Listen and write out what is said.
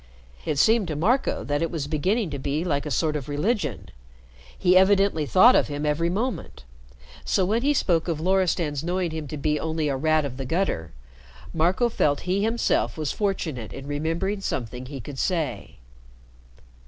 It seemed to Marco that it was beginning to be like a sort of religion. He evidently thought of him every moment. So when he spoke of Loristan's knowing him to be only a rat of the gutter, Marco felt he himself was fortunate in remembering something he could say.